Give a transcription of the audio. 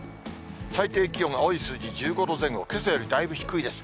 最低気温、青い数字、１５度前後、けさよりだいぶ低いです。